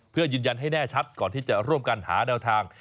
เพื่อยืนยันให้แน่ชัดก่อนที่จะร่วมกันหาแนวทาง